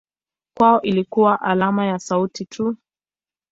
Kwao ilikuwa alama ya sauti tu.